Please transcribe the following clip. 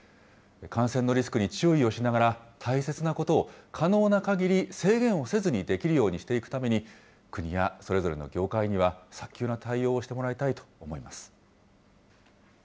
感染のリスクに注意をしながら、大切なことを、可能なかぎり制限をせずにできるようにしていくために、国やそれぞれの業界には早急な対応をしてもらいたいと思います。